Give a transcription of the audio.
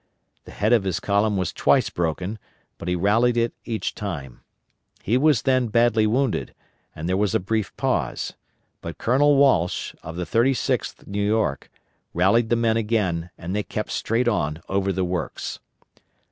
The head of his column was twice broken, but he rallied it each time. He was then badly wounded, and there was a brief pause, but Colonel Walsh, of the 36th New York, rallied the men again, and they kept straight on over the works.